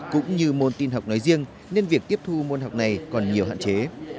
cũng như môn tin học nói riêng nên việc tiếp thu môn học này còn nhiều hạn chế